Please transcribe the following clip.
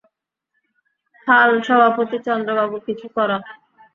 হাল সভাপতি চন্দ্রবাবু কিছু কড়া।